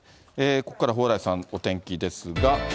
ここからは蓬莱さんのお天気ですが。